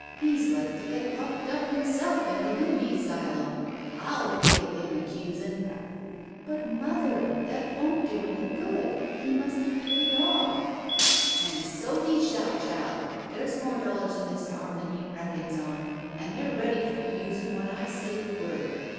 He's like to get locked up himself in a luny 'sylum. I'll give him accusin'!" "But, mother, that won't do any good. He must be paid off." "An' so he shall and so he shall, child. There's more dollars in this farm than he reckons on, and they're ready for usin' when I say the word.